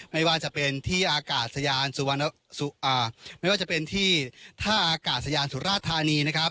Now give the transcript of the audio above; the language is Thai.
ไม่ว่าจะเป็นที่ท่าอากาศยานสุราธารณี